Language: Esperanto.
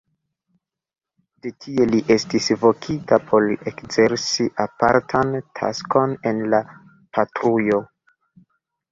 De tie li estis vokita por ekzerci apartan taskon en la patrujo.